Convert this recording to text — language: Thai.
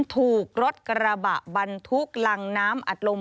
ถูกรถกระบะบรรทุกรังน้ำอัดลม